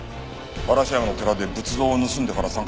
嵐山の寺で仏像を盗んでから参加できるな。